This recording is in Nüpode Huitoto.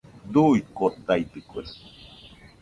Duuikotaidɨkue